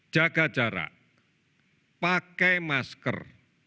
jaga jarak pakai masker